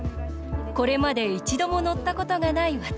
これまで一度も乗ったことがない私。